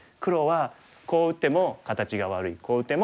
こう打っても形が悪い。